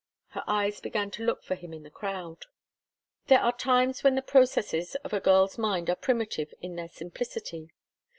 Her eyes began to look for him in the crowd. There are times when the processes of a girl's mind are primitive in their simplicity.